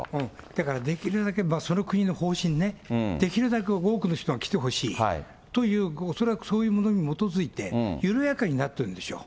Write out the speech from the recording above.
だから、できるだけ、その国の方針ね、できるだけ多くの人が来てほしいという、恐らくそういうものに基づいて、緩やかになってるんでしょう。